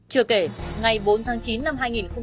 chưa kể ngày bốn tháng chín năm hai nghìn một mươi chín